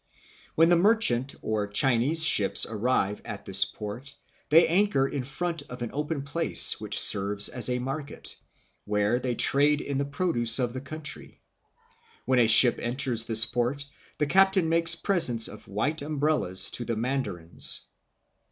1 " When the mer chant (Chinese) ships arrive at this port they an chor in front of ' *^f' j^^l 1 M& an open place ... which serves as a Moro Brass Betel BOX. market, where they trade in the produce of the country. When a ship enters this port, the captain makes presents of white umbrellas (to the mandarins).